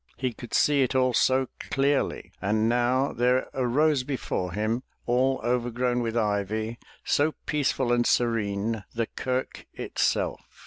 He could see it all so clearly. And now there rose before him, all overgrown with ivy, so peace ful and serene, the kirk itself.